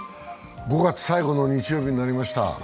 ５月最後の日曜日になりました。